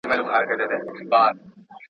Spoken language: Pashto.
چي نه سمه نه کږه لښته پیدا سي..